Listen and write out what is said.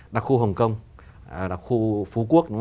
đặc khu hồng kông đặc khu phú quốc